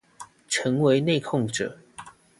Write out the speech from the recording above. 成為內控者